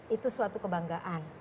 itu suatu kebanggaan